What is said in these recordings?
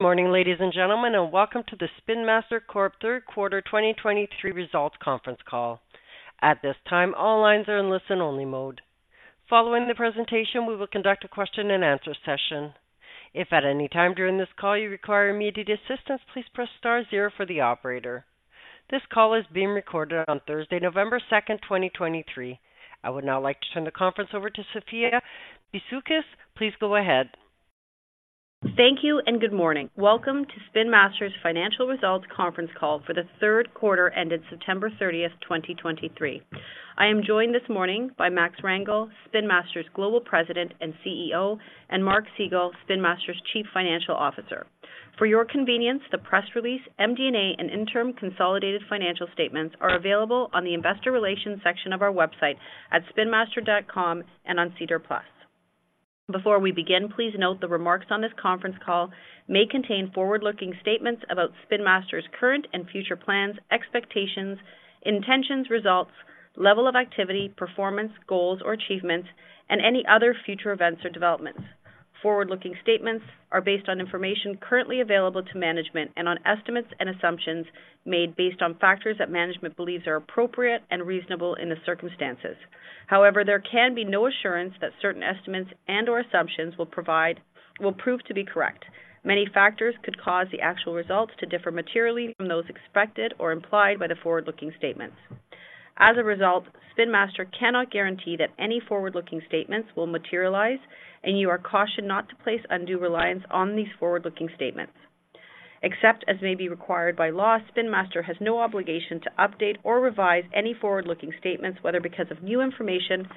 Morning, ladies and gentlemen, and welcome to the Spin Master Corp. third quarter 2023 results conference call. At this time, all lines are in listen-only mode. Following the presentation, we will conduct a question and answer session. If at any time during this call you require immediate assistance, please press star zero for the operator. This call is being recorded on Thursday, November 2, 2023. I would now like to turn the conference over to Sophia Bisoukis. Please go ahead. Thank you, and good morning. Welcome to Spin Master's Financial Results conference call for the third quarter ended September 30, 2023. I am joined this morning by Max Rangel, Spin Master's Global President and CEO, and Mark Segal, Spin Master's Chief Financial Officer. For your convenience, the press release, MD&A, and interim consolidated financial statements are available on the investor relations section of our website at spinmaster.com and on SEDAR+. Before we begin, please note the remarks on this conference call may contain forward-looking statements about Spin Master's current and future plans, expectations, intentions, results, level of activity, performance, goals or achievements, and any other future events or developments. Forward-looking statements are based on information currently available to management and on estimates and assumptions made based on factors that management believes are appropriate and reasonable in the circumstances. However, there can be no assurance that certain estimates and/or assumptions will prove to be correct. Many factors could cause the actual results to differ materially from those expected or implied by the forward-looking statements. As a result, Spin Master cannot guarantee that any forward-looking statements will materialize, and you are cautioned not to place undue reliance on these forward-looking statements. Except as may be required by law, Spin Master has no obligation to update or revise any forward-looking statements, whether because of new information,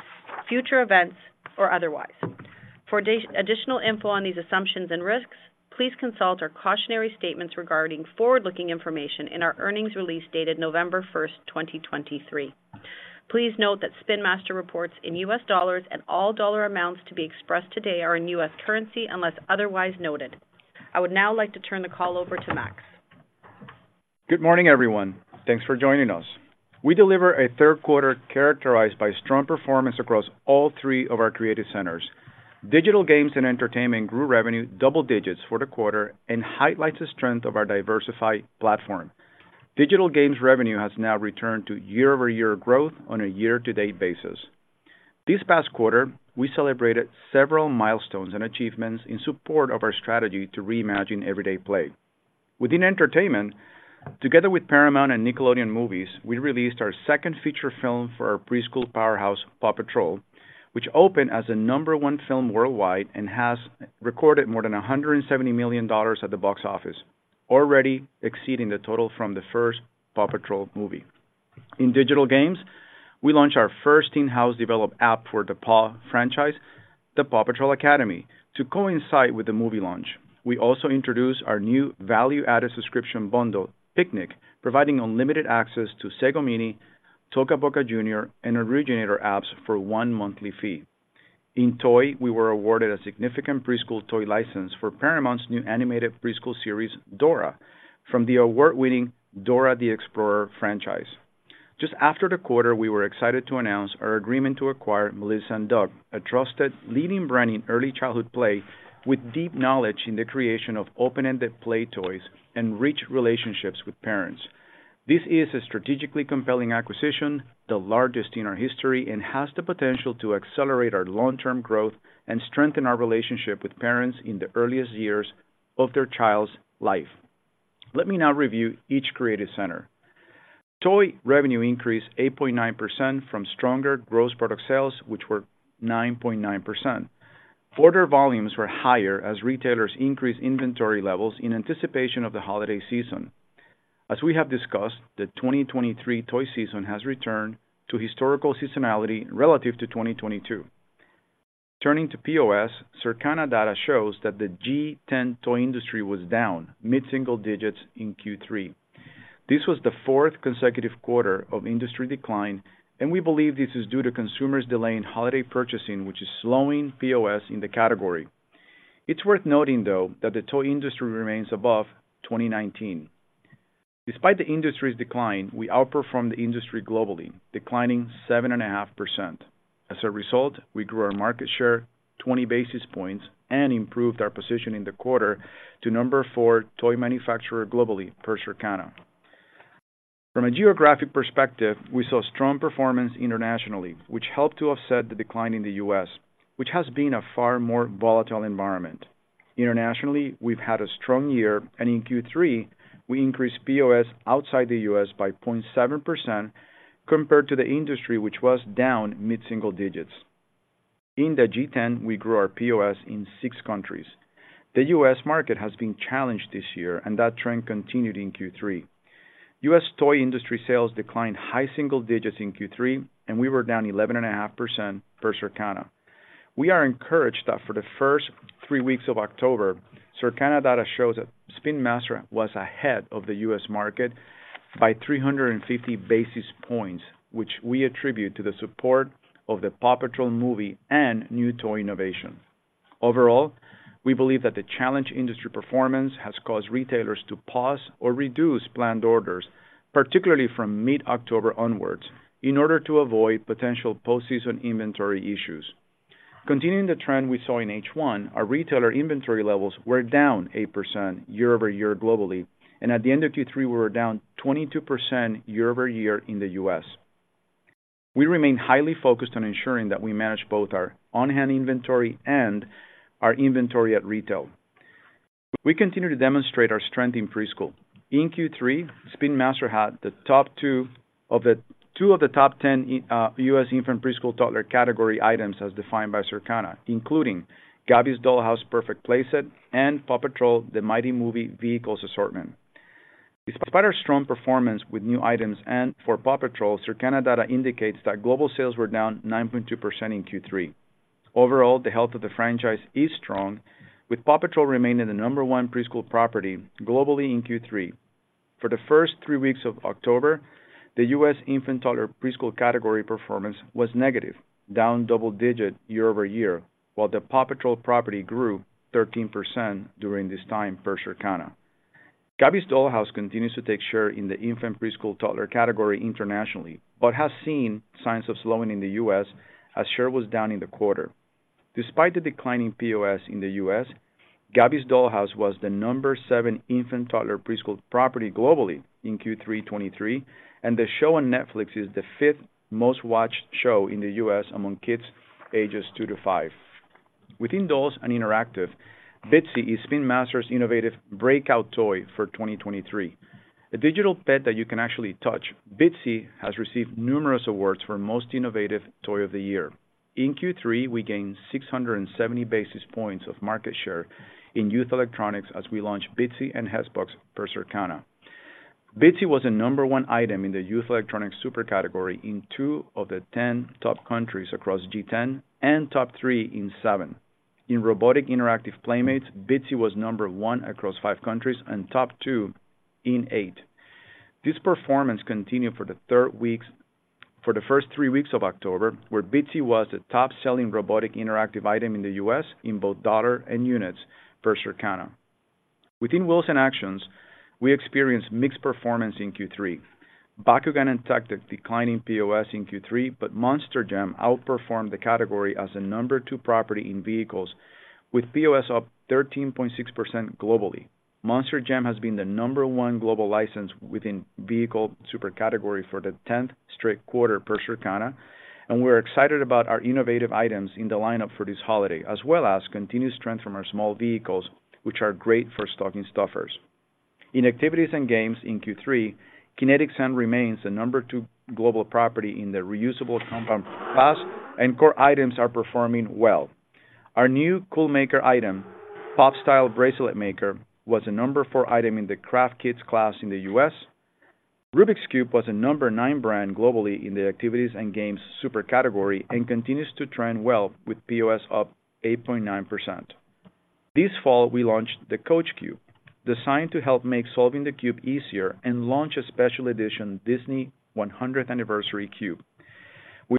future events, or otherwise. For additional info on these assumptions and risks, please consult our cautionary statements regarding forward-looking information in our earnings release dated November 1, 2023. Please note that Spin Master reports in U.S. dollars and all dollar amounts to be expressed today are in U.S. currency unless otherwise noted. I would now like to turn the call over to Max. Good morning, everyone. Thanks for joining us. We deliver a third quarter characterized by strong performance across all three of our creative centers. Digital Games and Entertainment grew revenue double digits for the quarter and highlights the strength of our diversified platform. Digital Games revenue has now returned to year-over-year growth on a year-to-date basis. This past quarter, we celebrated several milestones and achievements in support of our strategy to reimagine everyday play. Within Entertainment, together with Paramount and Nickelodeon Movies, we released our second feature film for our preschool powerhouse, PAW Patrol, which opened as the number one film worldwide and has recorded more than $170 million at the box office, already exceeding the total from the first PAW Patrol movie. In Digital Games, we launched our first in-house developed app for the PAW franchise, the PAW Patrol Academy, to coincide with the movie launch. We also introduced our new value-added subscription bundle, Piknik, providing unlimited access to Sago Mini, Toca Boca Junior, and Originator apps for one monthly fee. In Toys, we were awarded a significant preschool toy license for Paramount's new animated preschool series, Dora, from the award-winning Dora the Explorer franchise. Just after the quarter, we were excited to announce our agreement to acquire Melissa & Doug, a trusted leading brand in early childhood play, with deep knowledge in the creation of open-ended play toys and rich relationships with parents. This is a strategically compelling acquisition, the largest in our history, and has the potential to accelerate our long-term growth and strengthen our relationship with parents in the earliest years of their child's life. Let me now review each creative center. Toys revenue increased 8.9% from stronger gross product sales, which were 9.9%. Order volumes were higher as retailers increased inventory levels in anticipation of the holiday season. As we have discussed, the 2023 toy season has returned to historical seasonality relative to 2022. Turning to POS, Circana data shows that the G10 toy industry was down mid-single digits in Q3. This was the fourth consecutive quarter of industry decline, and we believe this is due to consumers delaying holiday purchasing, which is slowing POS in the category. It's worth noting, though, that the toy industry remains above 2019. Despite the industry's decline, we outperformed the industry globally, declining 7.5%. As a result, we grew our market share 20 basis points and improved our position in the quarter to number four toy manufacturer globally per Circana. From a geographic perspective, we saw strong performance internationally, which helped to offset the decline in the U.S., which has been a far more volatile environment. Internationally, we've had a strong year, and in Q3, we increased POS outside the U.S. by 0.7% compared to the industry, which was down mid-single digits. In the G10, we grew our POS in six countries. The U.S. market has been challenged this year, and that trend continued in Q3. U.S. toy industry sales declined high single digits in Q3, and we were down 11.5% per Circana. We are encouraged that for the first three weeks of October, Circana data shows that Spin Master was ahead of the U.S. market by 350 basis points, which we attribute to the support of the PAW Patrol movie and new toy innovation. Overall, we believe that the challenge industry performance has caused retailers to pause or reduce planned orders, particularly from mid-October onwards, in order to avoid potential post-season inventory issues. Continuing the trend we saw in H1, our retailer inventory levels were down 8% year-over-year globally, and at the end of Q3, we were down 22% year-over-year in the U.S. We remain highly focused on ensuring that we manage both our on-hand inventory and our inventory at retail. We continue to demonstrate our strength in preschool. In Q3, Spin Master had two of the top 10 in U.S. Infant/Toddler/Preschool category items, as defined by Circana, including Gabby's Dollhouse: Purrfect Playset and PAW Patrol: The Mighty Movie Vehicles assortment. Despite our strong performance with new items and for PAW Patrol, Circana data indicates that global sales were down 9.2% in Q3. Overall, the health of the franchise is strong, with PAW Patrol remaining the number one preschool property globally in Q3. For the first three weeks of October, the U.S. infant toddler preschool category performance was negative, down double-digit year-over-year, while the PAW Patrol property grew 13% during this time, per Circana. Gabby's Dollhouse continues to take share in the Infant/Toddler/Preschoolr category internationally, but has seen signs of slowing in the U.S. as share was down in the quarter. Despite the declining POS in the U.S., Gabby's Dollhouse was the number seven infant toddler preschool property globally in Q3 2023, and the show on Netflix is the 5th most-watched show in the U.S. among kids ages two to five. Within Dolls & Interactive, Bitzee is Spin Master's innovative breakout toy for 2023. A digital pet that you can actually touch, Bitzee has received numerous awards for Most Innovative Toy of the Year. In Q3, we gained 670 basis points of market share in Youth Electronics as we launched Bitzee and HEXBUG per Circana. Bitzee was the number one item in the Youth Electronics super category in two of the 10 top countries across G10 and top three in seven. In Robotic/Interactive Playmates, Bitzee was number one across five countries and top two in eight. This performance continued for the first three weeks of October, where Bitzee was the top-selling robotic interactive item in the U.S. in both dollar and units per Circana. Within Wheels & Action, we experienced mixed performance in Q3. Bakugan and Tech Deck declining POS in Q3, but Monster Jam outperformed the category as the number two property in Vehicles, with POS up 13.6% globally. Monster Jam has been the number one global license within Vehicles super category for the 10th straight quarter per Circana, and we're excited about our innovative items in the lineup for this holiday, as well as continuous strength from our small Vehicles, which are great for stocking stuffers. In Activities & Games in Q3, Kinetic Sand remains the number two global property in the Reusable Compounds class, and core items are performing well. Our new Cool Maker item, PopStyle Bracelet Maker, was the number four item in the Craft Kits class in the U.S. Rubik's Cube was the number nine brand globally in the Activities & Games super category and continues to trend well with POS up 8.9%. This fall, we launched the Coach Cube, designed to help make solving the cube easier and launch a special edition Disney 100th Anniversary Cube.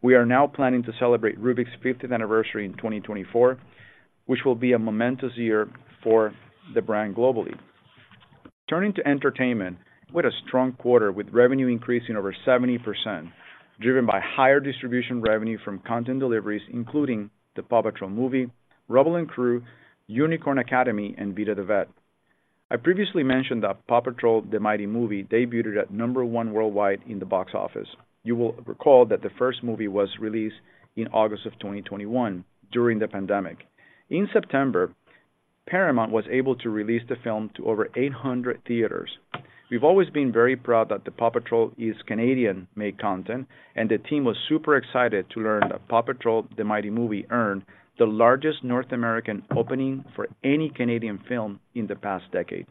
We are now planning to celebrate Rubik's 50th anniversary in 2024, which will be a momentous year for the brand globally. Turning to Entertainment, we had a strong quarter, with revenue increasing over 70%, driven by higher distribution revenue from content deliveries, including the PAW Patrol Movie, Rubble & Crew, Unicorn Academy, and Vida the Vet. I previously mentioned that PAW Patrol: The Mighty Movie debuted at number one worldwide in the box office. You will recall that the first movie was released in August of 2021, during the pandemic. In September, Paramount was able to release the film to over 800 theaters. We've always been very proud that the PAW Patrol is Canadian-made content, and the team was super excited to learn that PAW Patrol: The Mighty Movie earned the largest North American opening for any Canadian film in the past decade.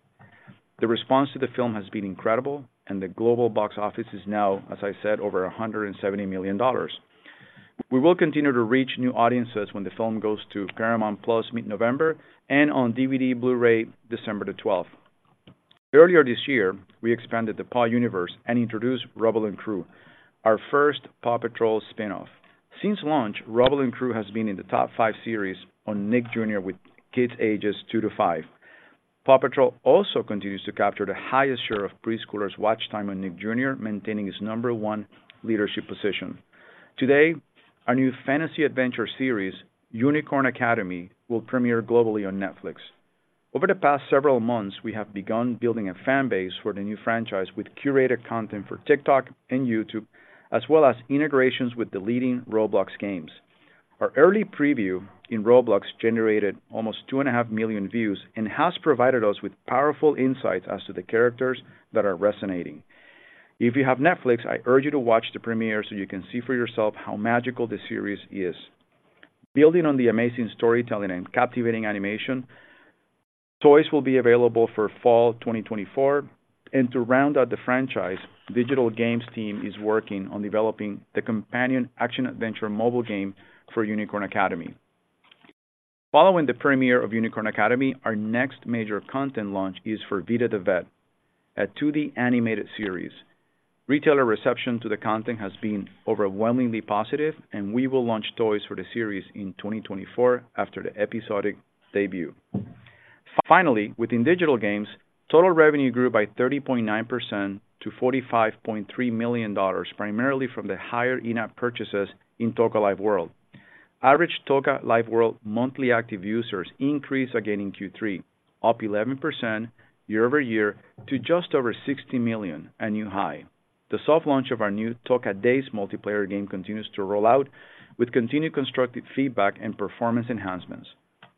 The response to the film has been incredible, and the global box office is now, as I said, over $170 million. We will continue to reach new audiences when the film goes to Paramount+ mid-November and on DVD, Blu-ray, December 12th. Earlier this year, we expanded the PAW universe and introduced Rubble & Crew, our first PAW Patrol spin-off. Since launch, Rubble & Crew has been in the top five series on Nick Jr. with kids ages two to five. PAW Patrol also continues to capture the highest share of preschoolers' watch time on Nick Jr, maintaining its number one leadership position. Today, our new fantasy adventure series, Unicorn Academy, will premiere globally on Netflix. Over the past several months, we have begun building a fan base for the new franchise with curated content for TikTok and YouTube, as well as integrations with the leading Roblox games. Our early preview in Roblox generated almost 2.5 million views and has provided us with powerful insights as to the characters that are resonating. If you have Netflix, I urge you to watch the premiere so you can see for yourself how magical the series is. Building on the amazing storytelling and captivating animation, toys will be available for fall 2024, and to round out the franchise, Digital Games team is working on developing the companion action-adventure mobile game for Unicorn Academy. Following the premiere of Unicorn Academy, our next major content launch is for Vida the Vet, a 2D animated series. Retailer reception to the content has been overwhelmingly positive, and we will launch toys for the series in 2024 after the episodic debut. Finally, within Digital Games, total revenue grew by 30.9% to $45.3 million, primarily from the higher in-app purchases in Toca Life World. Average Toca Life World monthly active users increased again in Q3, up 11% year over year to just over 60 million, a new high. The soft launch of our new Toca Days multiplayer game continues to roll out with continued constructive feedback and performance enhancements.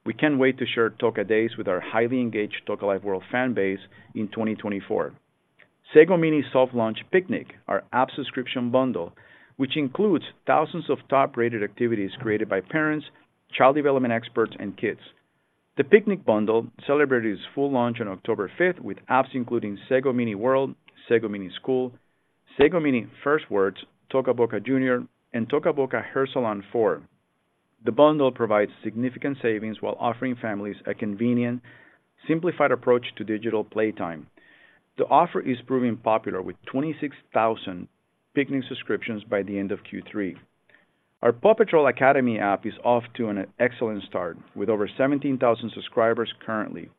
We can't wait to share Toca Days with our highly engaged Toca Life World fan base in 2024. Sago Mini soft launched Piknik, our app subscription bundle, which includes thousands of top-rated activities created by parents, child development experts, and kids. The Piknik bundle celebrated its full launch on October 5th, with apps including Sago Mini World, Sago Mini School, Sago Mini First Words, Toca Boca Jr, and Toca Boca Hair Salon 4. The bundle provides significant savings while offering families a convenient, simplified approach to digital playtime. The offer is proving popular, with 26,000 Piknik subscriptions by the end of Q3. Our PAW Patrol Academy app is off to an excellent start, with over 17,000 subscribers currently,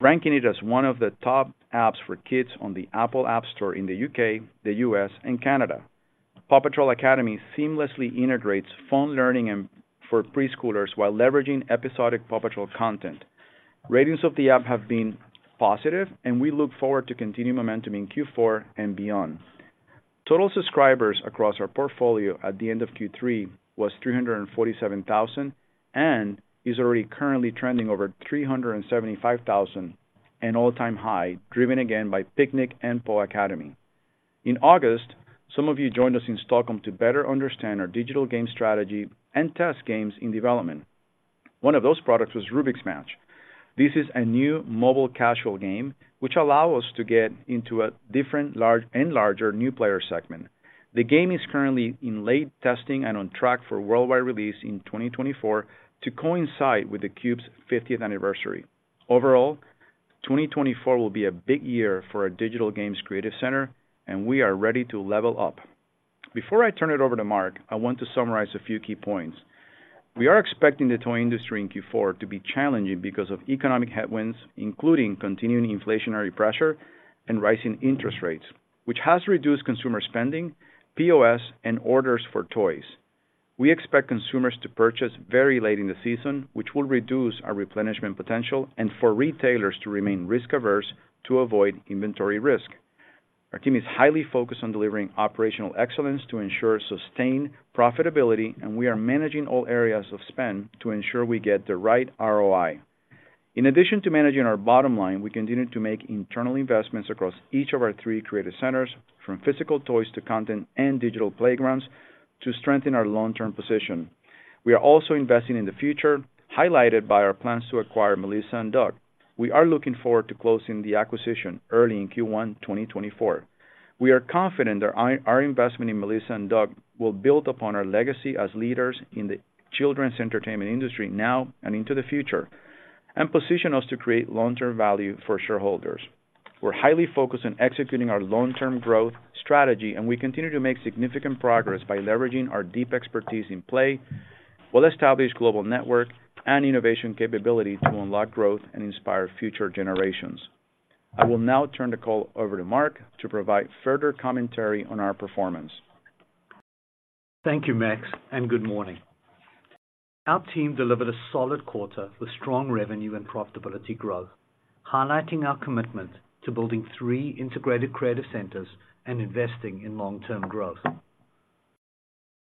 ranking it as one of the top apps for kids on the Apple App Store in the U.K., the U.S., and Canada. PAW Patrol Academy seamlessly integrates fun learning and for preschoolers while leveraging episodic PAW Patrol content. Ratings of the app have been positive, and we look forward to continuing momentum in Q4 and beyond. Total subscribers across our portfolio at the end of Q3 was 347,000, and is already currently trending over 375,000, an all-time high, driven again by Piknik and PAW Academy. In August, some of you joined us in Stockholm to better understand our digital game strategy and test games in development. One of those products was Rubik's Match. This is a new mobile casual game, which allow us to get into a different, large and larger new player segment. The game is currently in late testing and on track for worldwide release in 2024 to coincide with the Cube's 50th anniversary. Overall, 2024 will be a big year for our Digital Games creative center, and we are ready to level up. Before I turn it over to Mark, I want to summarize a few key points. We are expecting the toy industry in Q4 to be challenging because of economic headwinds, including continuing inflationary pressure and rising interest rates, which has reduced consumer spending, POS, and orders for toys. We expect consumers to purchase very late in the season, which will reduce our replenishment potential, and for retailers to remain risk-averse to avoid inventory risk. Our team is highly focused on delivering operational excellence to ensure sustained profitability, and we are managing all areas of spend to ensure we get the right ROI. In addition to managing our bottom line, we continue to make internal investments across each of our three creative centers, from physical toys to content and digital playgrounds, to strengthen our long-term position. We are also investing in the future, highlighted by our plans to acquire Melissa & Doug. We are looking forward to closing the acquisition early in Q1 2024. We are confident that our investment in Melissa & Doug will build upon our legacy as leaders in the children's Entertainment industry now and into the future, and position us to create long-term value for shareholders. We're highly focused on executing our long-term growth strategy, and we continue to make significant progress by leveraging our deep expertise in play, well-established global network, and innovation capability to unlock growth and inspire future generations. I will now turn the call over to Mark to provide further commentary on our performance. Thank you, Max, and good morning. Our team delivered a solid quarter with strong revenue and profitability growth, highlighting our commitment to building three integrated creative centers and investing in long-term growth.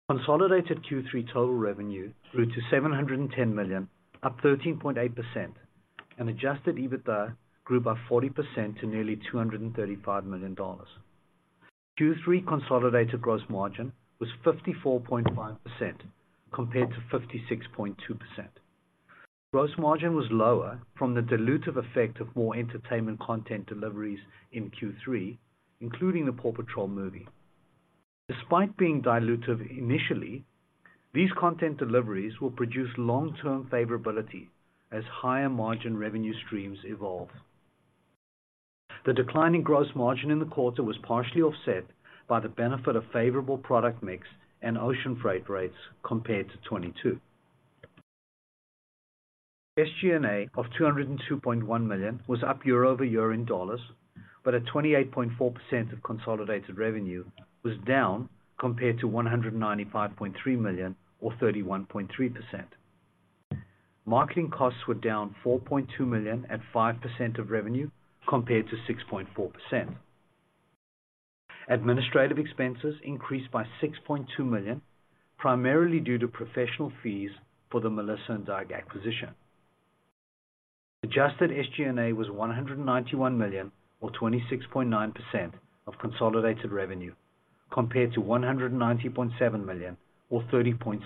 Consolidated Q3 total revenue grew to $710 million, up 13.8%, and Adjusted EBITDA grew by 40% to nearly $235 million. Q3 consolidated gross margin was 54.5%, compared to 56.2%. Gross margin was lower from the dilutive effect of more Entertainment content deliveries in Q3, including the PAW Patrol movie. Despite being dilutive initially, these content deliveries will produce long-term favorability as higher-margin revenue streams evolve. The decline in gross margin in the quarter was partially offset by the benefit of favorable product mix and ocean freight rates compared to 2022. SG&A of $202.1 million was up year-over-year in dollars, but at 28.4% of consolidated revenue was down compared to $195.3 million or 31.3%. Marketing costs were down $4.2 million at 5% of revenue, compared to 6.4%. Administrative expenses increased by $6.2 million, primarily due to professional fees for the Melissa & Doug acquisition. Adjusted SG&A was $191 million or 26.9% of consolidated revenue, compared to $190.7 million or 30.6%,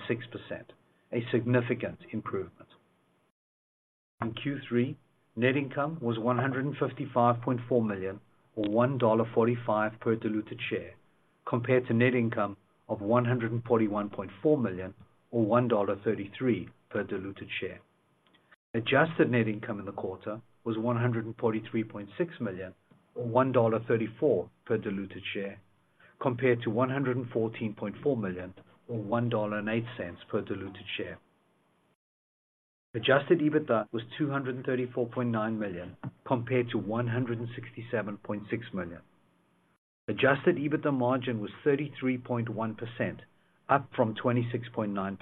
a significant improvement. In Q3, net income was $155.4 million or $1.45 per diluted share, compared to net income of $141.4 million or $1.33 per diluted share. Adjusted net income in the quarter was $143.6 million or $1.34 per diluted share, compared to $114.4 million, or $1.08 per diluted share. Adjusted EBITDA was $234.9 million, compared to $167.6 million. Adjusted EBITDA margin was 33.1%, up from 26.9%.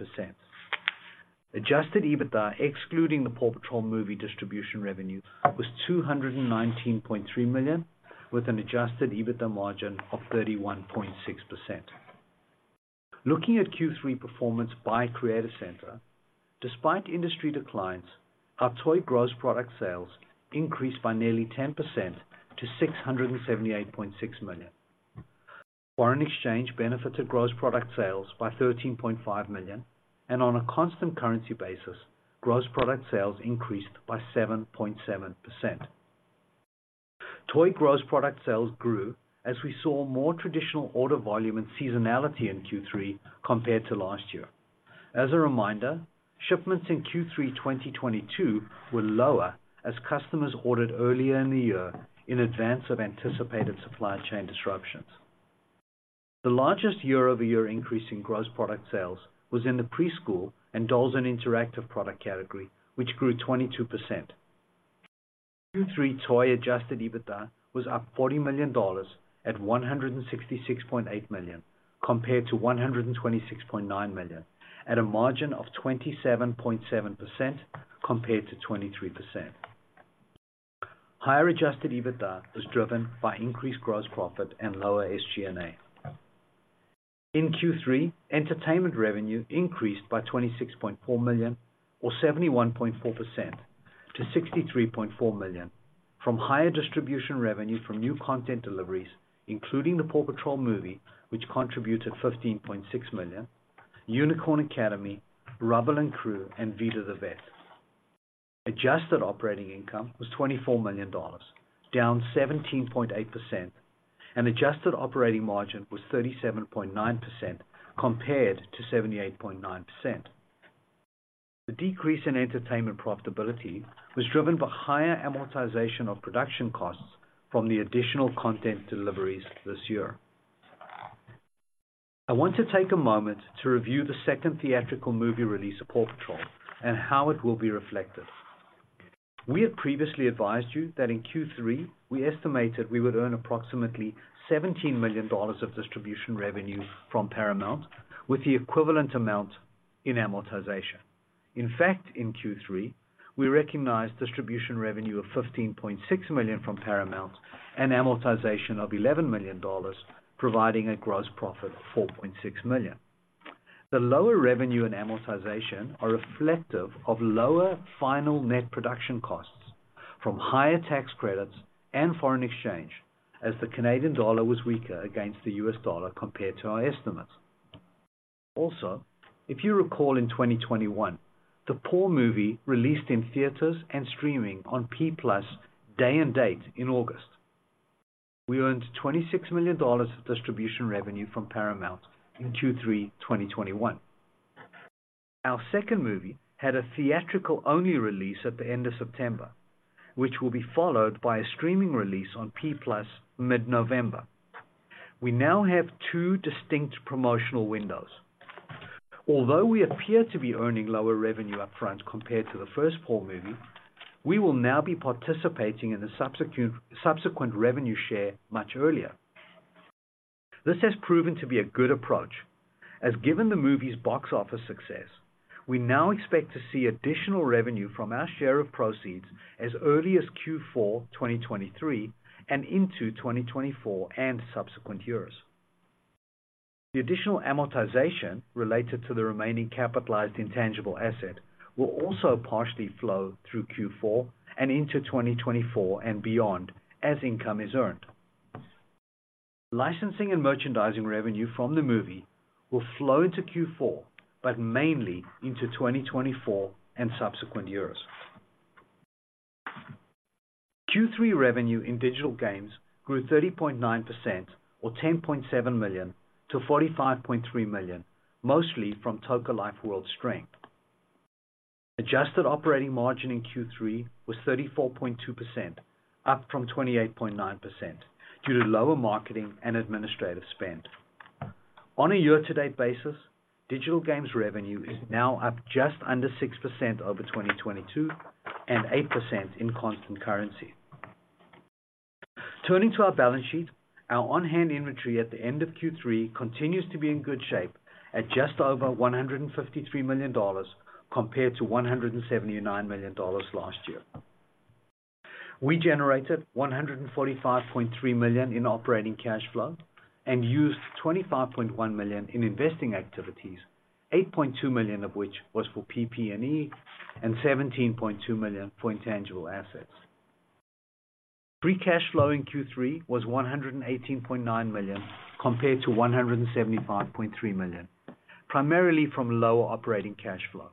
Adjusted EBITDA, excluding the PAW Patrol movie distribution revenue, was $219.3 million, with an adjusted EBITDA margin of 31.6%. Looking at Q3 performance by creative center, despite industry declines, our toy gross product sales increased by nearly 10% to $678.6 million. Foreign exchange benefited gross product sales by $13.5 million, and on a constant currency basis, gross product sales increased by 7.7%. Toy gross product sales grew as we saw more traditional order volume and seasonality in Q3 compared to last year. As a reminder, shipments in Q3 2022 were lower as customers ordered earlier in the year in advance of anticipated supply chain disruptions. The largest year-over-year increase in gross product sales was in the Preschool and Dolls & Interactive product category, which grew 22%. Q3 toy adjusted EBITDA was up $40 million at $166.8 million, compared to $126.9 million, at a margin of 27.7% compared to 23%. Higher adjusted EBITDA was driven by increased gross profit and lower SG&A. In Q3, Entertainment revenue increased by $26.4 million, or 71.4% to $63.4 million, from higher distribution revenue from new content deliveries, including the PAW Patrol movie, which contributed $15.6 million, Unicorn Academy, Rubble & Crew, and Vida the Vet. Adjusted operating income was $24 million, down 17.8%, and adjusted operating margin was 37.9% compared to 78.9%. The decrease in Entertainment profitability was driven by higher amortization of production costs from the additional content deliveries this year. I want to take a moment to review the second theatrical movie release of PAW Patrol and how it will be reflected. We had previously advised you that in Q3, we estimated we would earn approximately $17 million of distribution revenue from Paramount, with the equivalent amount in amortization. In fact, in Q3, we recognized distribution revenue of $15.6 million from Paramount and amortization of $11 million, providing a gross profit of $4.6 million. The lower revenue and amortization are reflective of lower final net production costs from higher tax credits and foreign exchange, as the Canadian dollar was weaker against the U.S. dollar compared to our estimates. Also, if you recall, in 2021, the PAW movie released in theaters and streaming on Paramount+ day and date in August. We earned $26 million of distribution revenue from Paramount in Q3 2021. Our second movie had a theatrical-only release at the end of September, which will be followed by a streaming release on Paramount+ mid-November. We now have two distinct promotional windows. Although we appear to be earning lower revenue upfront compared to the first PAW movie, we will now be participating in the subsequent, subsequent revenue share much earlier. This has proven to be a good approach, as given the movie's box office success, we now expect to see additional revenue from our share of proceeds as early as Q4 2023, and into 2024 and subsequent years. The additional amortization related to the remaining capitalized intangible asset will also partially flow through Q4 and into 2024 and beyond as income is earned. Licensing and merchandising revenue from the movie will flow into Q4, but mainly into 2024 and subsequent years. Q3 revenue in Digital Games grew 30.9% or $10.7 million to $45.3 million, mostly from Toca Life World strength. Adjusted operating margin in Q3 was 34.2%, up from 28.9%, due to lower marketing and administrative spend. On a year-to-date basis, Digital Games revenue is now up just under 6% over 2022 and 8% in constant currency. Turning to our balance sheet, our on-hand inventory at the end of Q3 continues to be in good shape at just over $153 million compared to $179 million last year. We generated $145.3 million in operating cash flow and used $25.1 million in investing activities, $8.2 million of which was for PP&E and $17.2 million for intangible assets. Free cash flow in Q3 was $118.9 million, compared to $175.3 million, primarily from lower operating cash flow.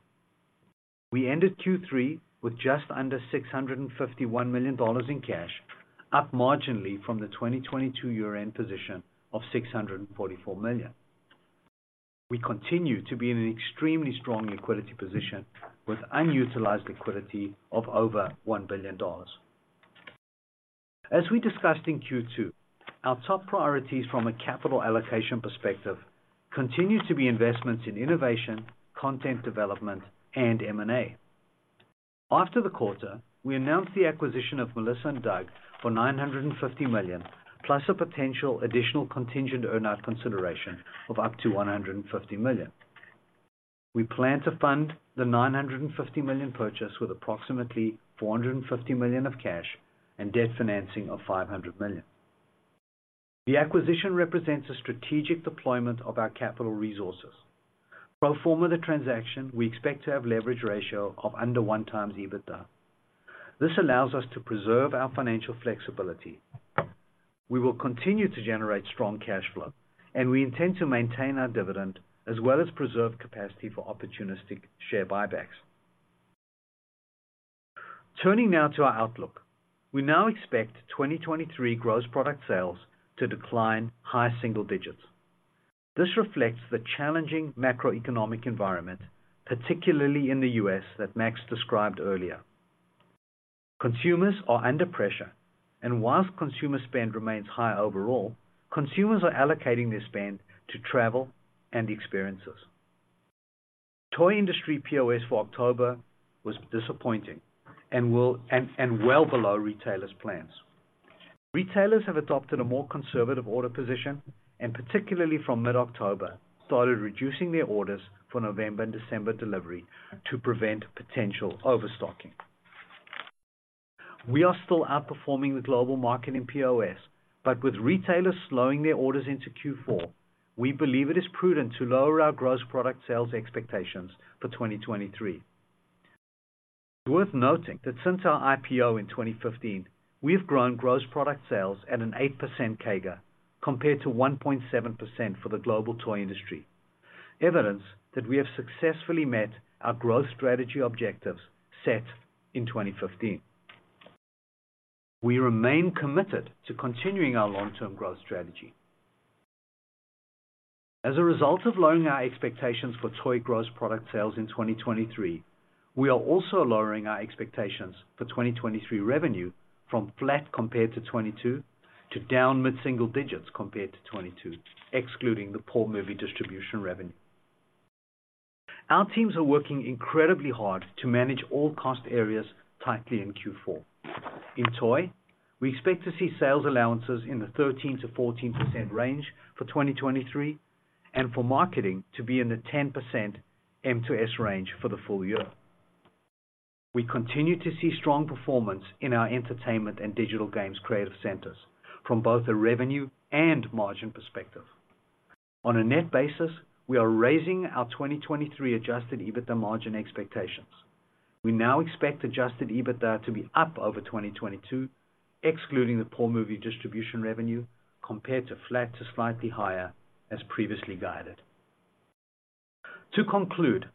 We ended Q3 with just under $651 million in cash, up marginally from the 2022 year-end position of $644 million. We continue to be in an extremely strong liquidity position, with unutilized liquidity of over $1 billion. As we discussed in Q2, our top priorities from a capital allocation perspective continue to be investments in innovation, content development, and M&A. After the quarter, we announced the acquisition of Melissa & Doug for $950 million, plus a potential additional contingent earn-out consideration of up to $150 million. We plan to fund the $950 million purchase with approximately $450 million of cash and debt financing of $500 million. The acquisition represents a strategic deployment of our capital resources. Pro forma the transaction, we expect to have leverage ratio of under 1x EBITDA. This allows us to preserve our financial flexibility. We will continue to generate strong cash flow, and we intend to maintain our dividend as well as preserve capacity for opportunistic share buybacks. Turning now to our outlook. We now expect 2023 gross product sales to decline high single digits. This reflects the challenging macroeconomic environment, particularly in the U.S., that Max described earlier. Consumers are under pressure, and while consumer spend remains high overall, consumers are allocating their spend to travel and experiences. Toy industry POS for October was disappointing and well below retailers' plans. Retailers have adopted a more conservative order position, and particularly from mid-October, started reducing their orders for November and December delivery to prevent potential overstocking. We are still outperforming the global market in POS, but with retailers slowing their orders into Q4, we believe it is prudent to lower our gross product sales expectations for 2023. Worth noting that since our IPO in 2015, we've grown gross product sales at an 8% CAGR, compared to 1.7% for the global toy industry, evidence that we have successfully met our growth strategy objectives set in 2015. We remain committed to continuing our long-term growth strategy. As a result of lowering our expectations for toy gross product sales in 2023, we are also lowering our expectations for 2023 revenue from flat compared to 2022, to down mid-single digits compared to 2022, excluding the PAW movie distribution revenue. Our teams are working incredibly hard to manage all cost areas tightly in Q4. In toy, we expect to see sales allowances in the 13%-14% range for 2023, and for marketing to be in the 10% M to S range for the full year. We continue to see strong performance in our Entertainment and Digital Games creative centers from both a revenue and margin perspective. On a net basis, we are raising our 2023 adjusted EBITDA margin expectations. We now expect Adjusted EBITDA to be up over 2022, excluding the PAW movie distribution revenue, compared to flat to slightly higher as previously guided. To conclude,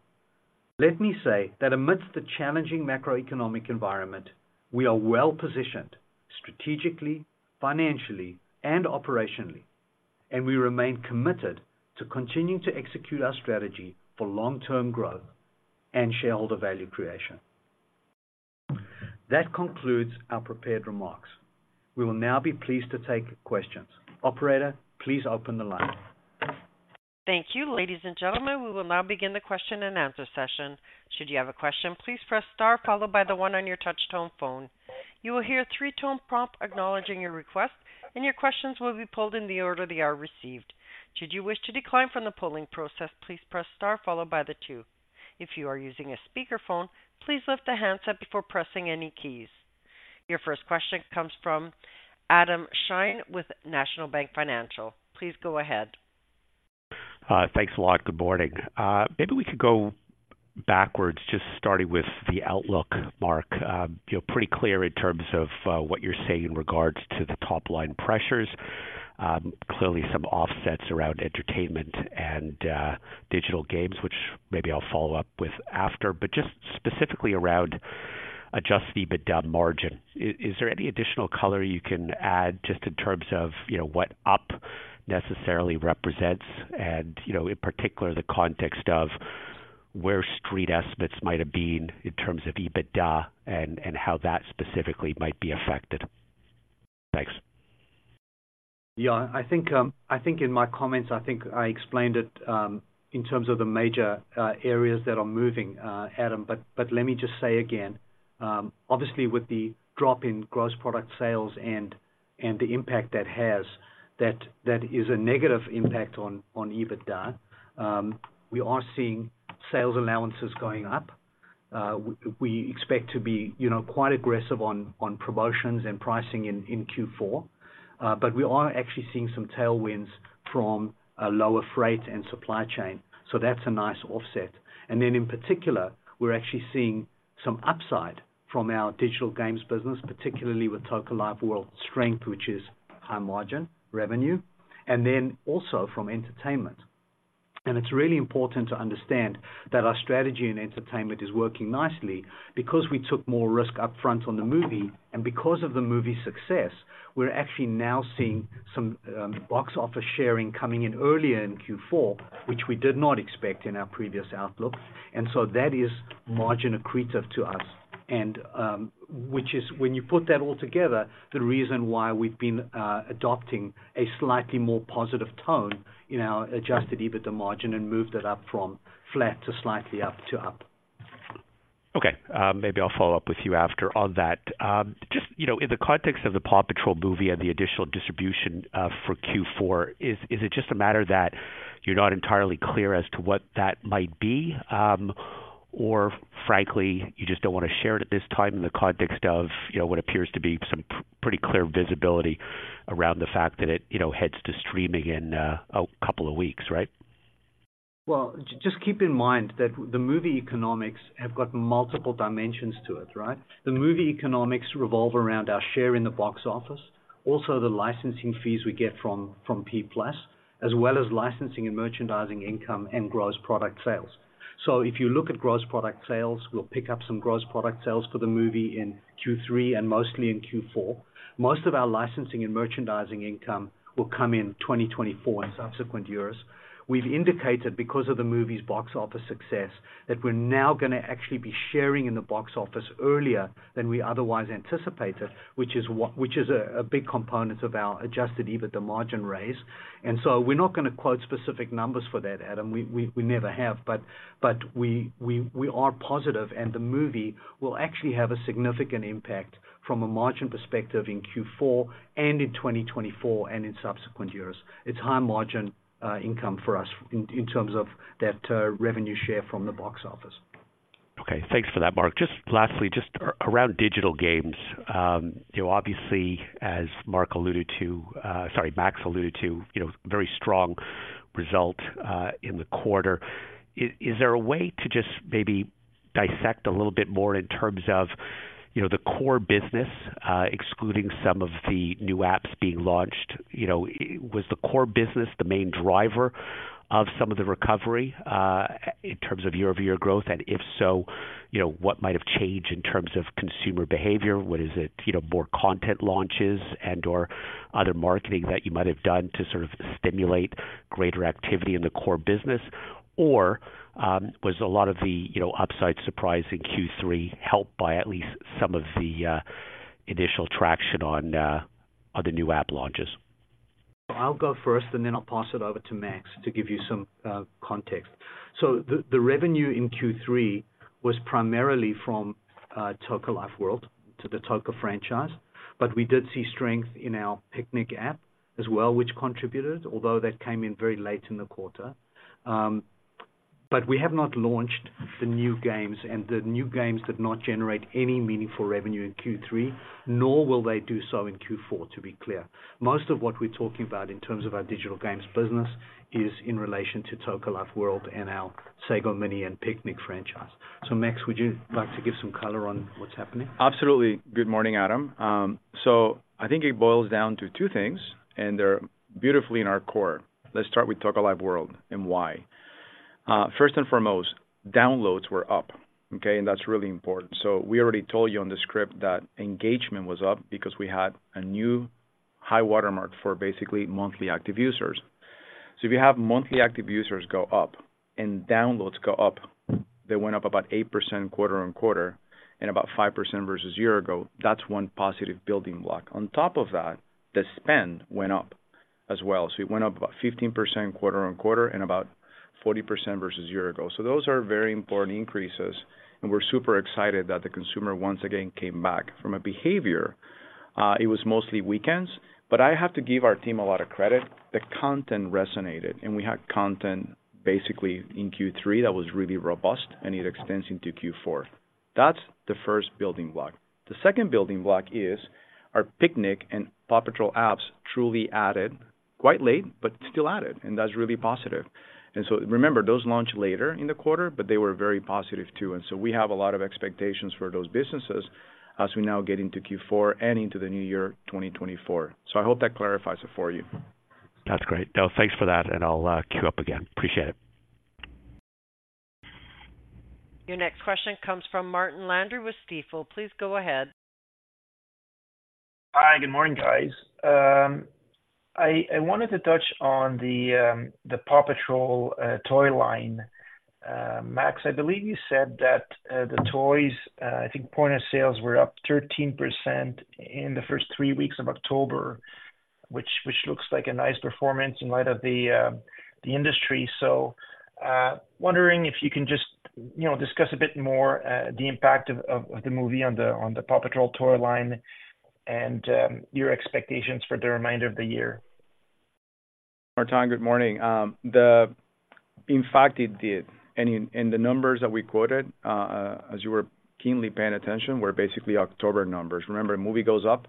let me say that amidst the challenging macroeconomic environment, we are well positioned strategically, financially, and operationally, and we remain committed to continuing to execute our strategy for long-term growth and shareholder value creation. That concludes our prepared remarks. We will now be pleased to take questions. Operator, please open the line. Thank you. Ladies and gentlemen, we will now begin the question and answer session. Should you have a question, please press star followed by the one on your touch tone phone. You will hear three-tone prompt acknowledging your request, and your questions will be pulled in the order they are received. Should you wish to decline from the polling process, please press star followed by the two. If you are using a speakerphone, please lift the handset before pressing any keys. Your first question comes from Adam Shine with National Bank Financial. Please go ahead. Thanks a lot. Good morning. Maybe we could go backwards, just starting with the outlook, Mark. You're pretty clear in terms of what you're saying in regards to the top-line pressures. Clearly some offsets around Entertainment and Digital Games, which maybe I'll follow up with after, but just specifically around adjusted EBITDA margin. Is there any additional color you can add just in terms of, you know, what up necessarily represents and, you know, in particular, the context of where street estimates might have been in terms of EBITDA and how that specifically might be affected? Thanks. Yeah, I think, I think in my comments, I think I explained it in terms of the major areas that are moving, Adam. But let me just say again, obviously with the drop in gross product sales and the impact that has, that is a negative impact on EBITDA, we are seeing sales allowances going up. We expect to be, you know, quite aggressive on promotions and pricing in Q4, but we are actually seeing some tailwinds from a lower freight and supply chain. So that's a nice offset. And then in particular, we're actually seeing some upside from our Digital Games business, particularly with Toca Life World strength, which is high margin revenue, and then also from Entertainment. It's really important to understand that our strategy in Entertainment is working nicely because we took more risk upfront on the movie, and because of the movie's success, we're actually now seeing some box office sharing coming in earlier in Q4, which we did not expect in our previous outlook, and so that is margin accretive to us. Which is when you put that all together, the reason why we've been adopting a slightly more positive tone in our Adjusted EBITDA margin and moved it up from flat to slightly up to up. Okay. Maybe I'll follow up with you after on that. Just, you know, in the context of the PAW Patrol movie and the additional distribution for Q4, is it just a matter that you're not entirely clear as to what that might be, or frankly, you just don't wanna share it at this time in the context of, you know, what appears to be some pretty clear visibility around the fact that it, you know, heads to streaming in a couple of weeks, right? Well, just keep in mind that the movie economics have got multiple dimensions to it, right? The movie economics revolve around our share in the box office, also the licensing fees we get from Paramount+, as well as licensing and merchandising income and gross product sales. So if you look at gross product sales, we'll pick up some gross product sales for the movie in Q3 and mostly in Q4. Most of our licensing and merchandising income will come in 2024 and subsequent years. We've indicated, because of the movie's box office success, that we're now gonna actually be sharing in the box office earlier than we otherwise anticipated, which is a big component of our Adjusted EBITDA margin raise. And so we're not gonna quote specific numbers for that, Adam. We never have, but we are positive, and the movie will actually have a significant impact from a margin perspective in Q4 and in 2024, and in subsequent years. It's high margin income for us in terms of that revenue share from the box office. Okay, thanks for that, Mark. Just lastly, around Digital Games. You know, obviously, as Mark alluded to, Max alluded to, you know, very strong result in the quarter. Is there a way to just maybe dissect a little bit more in terms of, you know, the core business, excluding some of the new apps being launched? You know, was the core business the main driver of some of the recovery in terms of year-over-year growth? And if so, you know, what might have changed in terms of consumer behavior? What is it, you know, more content launches and/or other marketing that you might have done to sort of stimulate greater activity in the core business? Or, was a lot of the, you know, upside surprise in Q3 helped by at least some of the initial traction on the new app launches? I'll go first, and then I'll pass it over to Max to give you some context. So the revenue in Q3 was primarily from Toca Life World to the Toca franchise, but we did see strength in our Piknik app as well, which contributed, although that came in very late in the quarter. But we have not launched the new games, and the new games did not generate any meaningful revenue in Q3, nor will they do so in Q4, to be clear. Most of what we're talking about in terms of our Digital Games business is in relation to Toca Life World and our Sago Mini and Piknik franchise. So Max, would you like to give some color on what's happening? Absolutely. Good morning, Adam. So I think it boils down to two things, and they're beautifully in our core. Let's start with Toca Life World and why. First and foremost, downloads were up, okay? That's really important. So we already told you on the script that engagement was up because we had a new high watermark for basically monthly active users. So if you have monthly active users go up and downloads go up, they went up about 8% quarter-on-quarter and about 5% versus year ago, that's one positive building block. On top of that, the spend went up as well. So it went up about 15% quarter-on-quarter and about 40% versus year ago. So those are very important increases, and we're super excited that the consumer once again came back. From a behavior, it was mostly weekends, but I have to give our team a lot of credit. The content resonated, and we had content basically in Q3 that was really robust, and it extends into Q4. That's the first building block. The second building block is our Piknik and PAW Patrol apps truly added, quite late, but still added, and that's really positive. And so remember, those launched later in the quarter, but they were very positive too, and so we have a lot of expectations for those businesses as we now get into Q4 and into the new year, 2024. So I hope that clarifies it for you. That's great. Now, thanks for that, and I'll queue up again. Appreciate it. Your next question comes from Martin Landry with Stifel. Please go ahead. Hi, good morning, guys. I wanted to touch on the PAW Patrol toy line. Max, I believe you said that the toys, I think point of sales were up 13% in the first three weeks of October, which looks like a nice performance in light of the industry. So, wondering if you can just, you know, discuss a bit more the impact of the movie on the PAW Patrol toy line and your expectations for the remainder of the year. Martin, good morning. In fact, it did. And the numbers that we quoted, as you were keenly paying attention, were basically October numbers. Remember, movie goes up,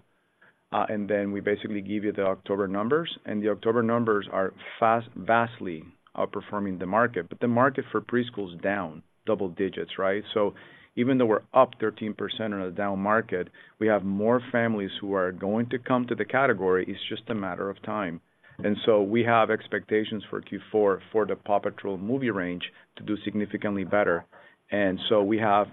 and then we basically give you the October numbers, and the October numbers are vastly outperforming the market. But the market for preschool is down double digits, right? So even though we're up 13% on a down market, we have more families who are going to come to the category. It's just a matter of time. And so we have expectations for Q4 for the PAW Patrol movie range to do significantly better. And so we have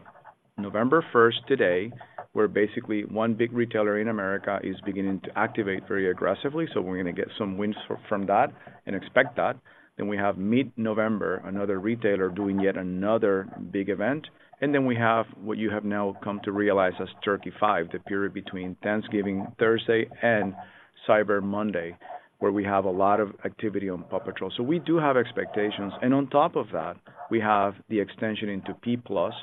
November 1st, today, where basically one big retailer in America is beginning to activate very aggressively. So we're going to get some wins from that and expect that. Then we have mid-November, another retailer doing yet another big event, and then we have what you have now come to realize as Turkey 5, the period between Thanksgiving Thursday and Cyber Monday, where we have a lot of activity on PAW Patrol. So we do have expectations, and on top of that, we have the extension into Paramount+,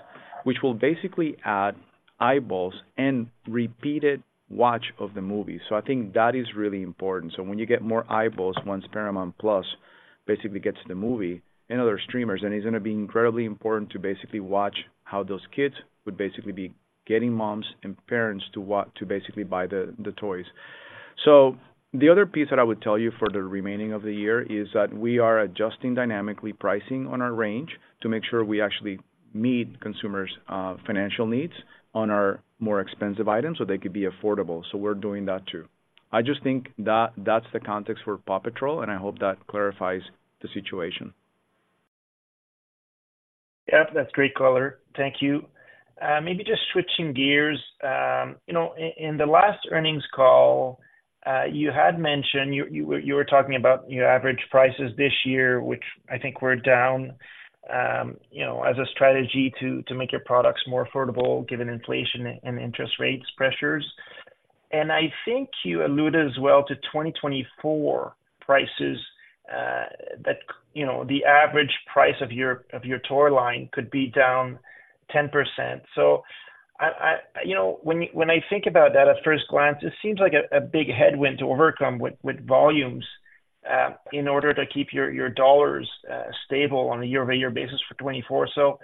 which will basically add eyeballs and repeated watch of the movie. So I think that is really important. So when you get more eyeballs, once Paramount+ basically gets the movie and other streamers, then it's going to be incredibly important to basically watch how those kids would basically be getting moms and parents to to basically buy the the toys. So the other piece that I would tell you for the remaining of the year is that we are adjusting dynamically pricing on our range to make sure we actually meet consumers' financial needs on our more expensive items, so they could be affordable. So we're doing that too. I just think that that's the context for PAW Patrol, and I hope that clarifies the situation. Yeah, that's great color. Thank you. Maybe just switching gears, you know, in the last earnings call, you had mentioned you were talking about your average prices this year, which I think were down, you know, as a strategy to make your products more affordable, given inflation and interest rates pressures. And I think you alluded as well to 2024 prices, that, you know, the average price of your toy line could be down 10%. So I... You know, when you, when I think about that, at first glance, it seems like a big headwind to overcome with volumes, in order to keep your dollars stable on a year-by-year basis for 2024. So,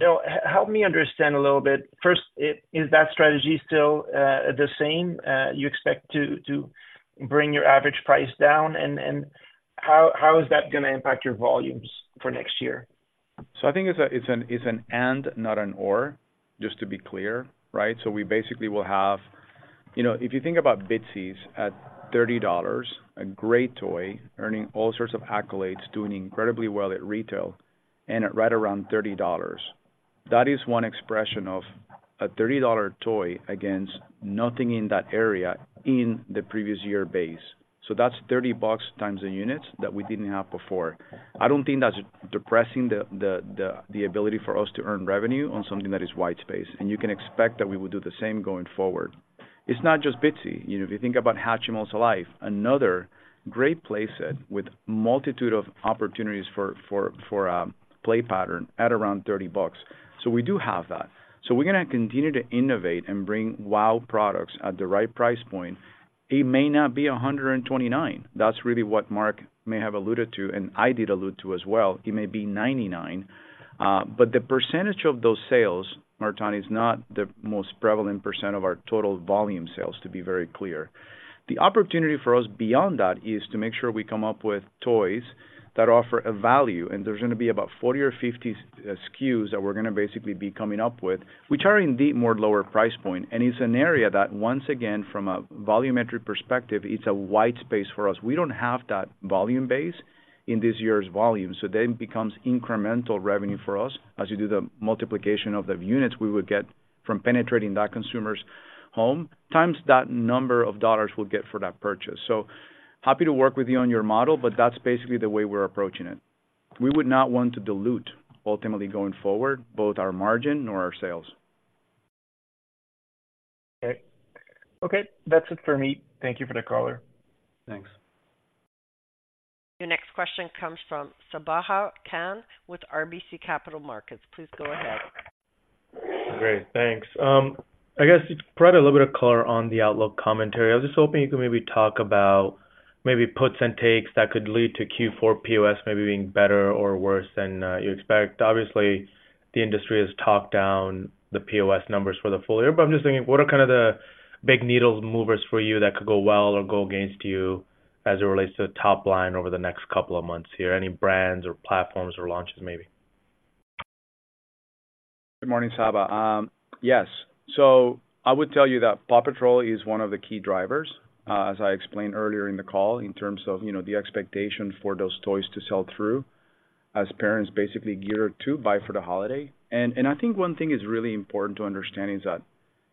you know, help me understand a little bit. First, is that strategy still the same? You expect to bring your average price down and how is that going to impact your volumes for next year? So I think it's an and not an or, just to be clear, right? So we basically will have... You know, if you think about Bitzee's at $30, a great toy, earning all sorts of accolades, doing incredibly well at retail and at right around $30. That is one expression of a $30 toy against nothing in that area in the previous year base. So that's $30 times the units that we didn't have before. I don't think that's depressing the ability for us to earn revenue on something that is white space, and you can expect that we will do the same going forward. It's not just Bitzee. You know, if you think about Hatchimals Alive, another great play set with multitude of opportunities for play pattern at around $30. So we do have that. We're going to continue to innovate and bring wow products at the right price point. It may not be 129. That's really what Mark may have alluded to, and I did allude to as well. It may be 99, but the percentage of those sales, Martin, is not the most prevalent % of our total volume sales, to be very clear. The opportunity for us beyond that is to make sure we come up with toys that offer a value, and there's going to be about 40 or 50 SKUs that we're going to basically be coming up with, which are indeed more lower price point. And it's an area that once again, from a volumetric perspective, it's a wide space for us. We don't have that volume base in this year's volume, so then becomes incremental revenue for us. As you do the multiplication of the units we would get from penetrating that consumer's home, times that number of dollars we'll get for that purchase. So happy to work with you on your model, but that's basically the way we're approaching it. We would not want to dilute, ultimately, going forward, both our margin nor our sales. Okay. Okay, that's it for me. Thank you for the caller. Thanks. Your next question comes from Sabahat Khan with RBC Capital Markets. Please go ahead. Great, thanks. I guess to provide a little bit of color on the outlook commentary. I was just hoping you could maybe talk about maybe puts and takes that could lead to Q4 POS maybe being better or worse than, you expect. Obviously, the industry has topped down the POS numbers for the full year, but I'm just thinking, what are kind of the big needle movers for you that could go well or go against you as it relates to the top line over the next couple of months here? Any brands or platforms or launches, maybe? Good morning, Sabahat. Yes. So I would tell you that PAW Patrol is one of the key drivers, as I explained earlier in the call, in terms of, you know, the expectation for those toys to sell through as parents basically gear to buy for the holiday. And, and I think one thing is really important to understand is that,